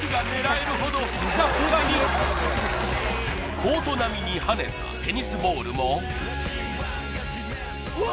コート並みに跳ねたテニスボールもうわっ！